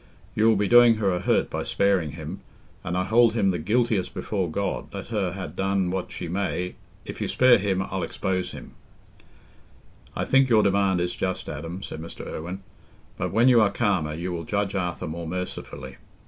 You'll be doing her a hurt by sparing him, and I hold him the guiltiest before God, let her ha' done what she may. If you spare him, I'll expose him!" "I think your demand is just, Adam," said Mr. Irwine, "but when you are calmer, you will judge Arthur more mercifully.